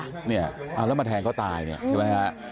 อันนี้อาละมาแทงเขาตายเนี่ยใช่ไหมฮะ